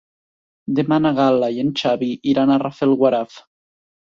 Demà na Gal·la i en Xavi iran a Rafelguaraf.